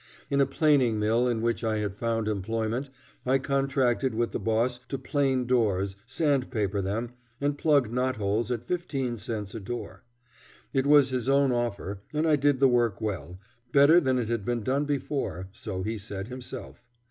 In a planing mill in which I had found employment I contracted with the boss to plane doors, sandpaper them, and plug knot holes at fifteen cents a door. It was his own offer, and I did the work well, better than it had been done before, so he said himself.